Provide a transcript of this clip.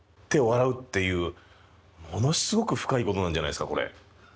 ものすごく深いことなんじゃないですかこれ。